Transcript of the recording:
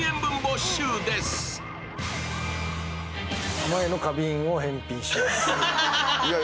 濱家の花瓶を返品します。